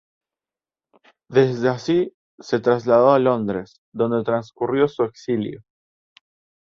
De allí se trasladó a Londres, donde transcurrió su exilio.